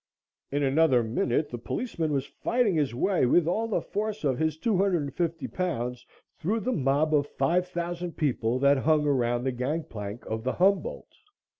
In another minute the policeman was fighting his way with all the force of his 250 pounds through the mob of five thousand people that hung around the gang plank of the "Humboldt."